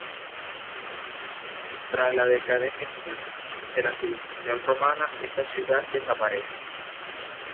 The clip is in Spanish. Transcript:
Tras la decadencia de la civilización romana, esta ciudad desaparece.